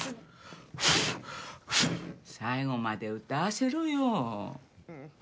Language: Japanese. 最後まで歌わせろよ。